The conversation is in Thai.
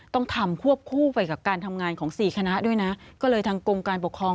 ต้องทำควบคู่ไปกับการทำงานของสี่คณะด้วยนะก็เลยทางกรมการปกครอง